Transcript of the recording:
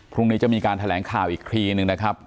พรุ่งนี้จะมีการแถลงข่าวอีกทีหนึ่งนะครับ